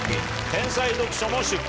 『天才読書』も出版。